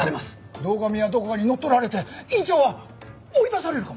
堂上はどこかに乗っ取られて院長は追い出されるかも！